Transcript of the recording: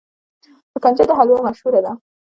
د کنجدو حلوه مشهوره ده.